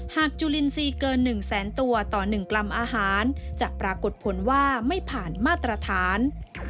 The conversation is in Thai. จุลินทรีย์เกิน๑แสนตัวต่อ๑กรัมอาหารจะปรากฏผลว่าไม่ผ่านมาตรฐาน